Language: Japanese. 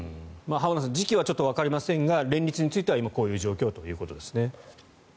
浜田さん時期はわかりませんが連立についてはこういう状況ということですね。